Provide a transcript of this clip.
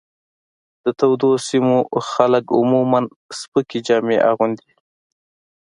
د تودو سیمو خلک عموماً سپکې جامې اغوندي.